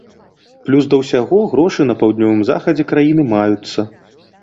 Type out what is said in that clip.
Плюс да ўсяго грошы на паўднёвым захадзе краіны маюцца.